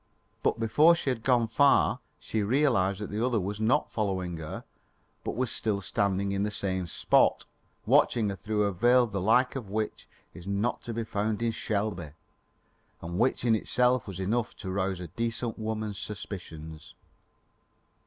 But before she had gone far, she realised that the other was not following her, but was still standing in the same spot, watching her through a veil the like of which is not to be found in Shelby, and which in itself was enough to rouse a decent woman's suspicions.